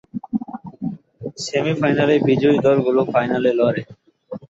সেমি-ফাইনালের বিজয়ী দলগুলো ফাইনালে লড়ে।